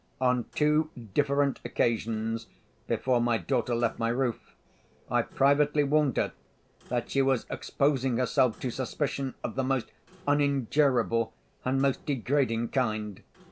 On two different occasions, before my daughter left my roof, I privately warned her that she was exposing herself to suspicion of the most unendurable and most degrading kind.